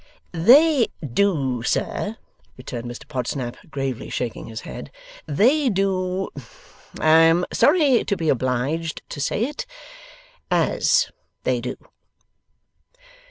'They do, Sir,' returned Mr Podsnap, gravely shaking his head; 'they do I am sorry to be obliged to say it AS they do.